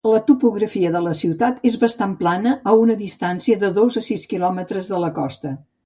La topografia de la ciutat és bastant plana a una distància de dos a sis quilòmetres de la costa.